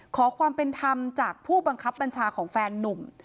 ขอความเป็นธรรมจากผู้บังคับบัญชาของแฟนนุ่ม